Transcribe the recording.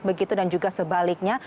begitu dan juga sebaliknya